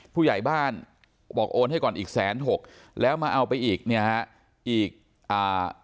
ผู้ใหญ่บ้านบอกโอนให้ก่อนอีกแสนหกแล้วมาเอาไปอีกเนี่ยฮะอีกอ่า